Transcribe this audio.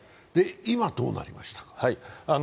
今、どうなりました？